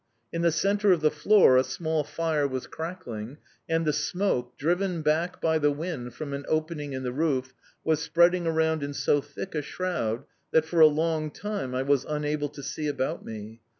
In the centre of the floor a small fire was crackling, and the smoke, driven back by the wind from an opening in the roof, was spreading around in so thick a shroud that for a long time I was unable to see about me.